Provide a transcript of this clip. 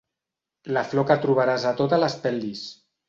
La flor que trobaràs a totes les pel·lis.